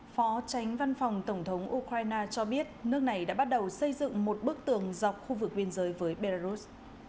phó tránh văn phòng tổng thống ukraine cho biết nước này đã bắt đầu xây dựng một bức tường dọc khu vực biên giới với belarus